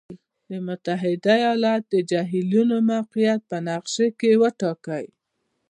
د متحد ایالاتو د جهیلونو موقعیت په نقشې کې وټاکئ.